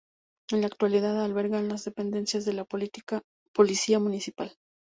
En la actualidad alberga las dependencias de la Policía Municipal.